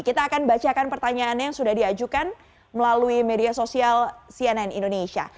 kita akan bacakan pertanyaannya yang sudah diajukan melalui media sosial cnn indonesia